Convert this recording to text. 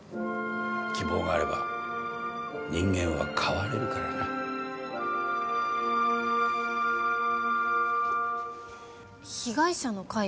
希望があれば人間は変われるからな被害者の会？